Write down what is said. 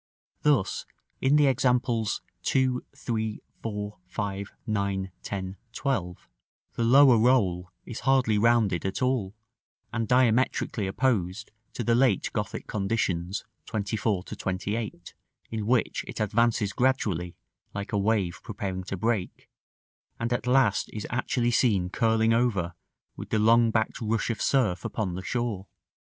Thus, in the examples 2, 3, 4, 5, 9, 10, 12, the lower roll is hardly rounded at all, and diametrically opposed to the late Gothic conditions, 24 to 28, in which it advances gradually, like a wave preparing to break, and at last is actually seen curling over with the long backed rush of surf upon the shore.